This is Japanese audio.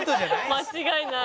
間違いない。